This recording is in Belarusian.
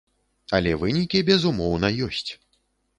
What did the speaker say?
Але вынікі, безумоўна, ёсць.